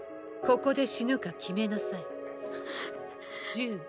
ここで死ぬか決めなさい。